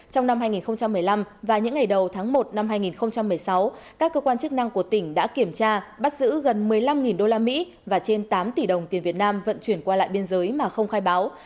trong năm hai nghìn một mươi năm và những ngày đầu tháng một năm hai nghìn một mươi sáu các cơ quan chức năng của tỉnh đã kiểm tra bắt giữ gần một mươi năm usd và trên tám tỷ đồng tiền việt nam vận chuyển qua lại biên giới mà không khai báo